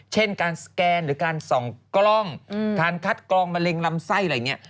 เช่นการสแกนหรือการส่องกล้องการคัดกรองมะเร็งลำไส้อะไรอย่างนี้